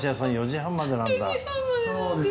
４時半までなんですね。